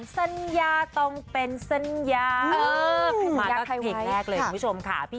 สัญญาต้องเป็นสัญญา